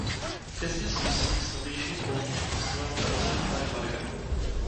Těsně sousedí s novějším poutním kostelem Narození Panny Marie.